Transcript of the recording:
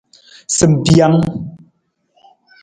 Simbijang.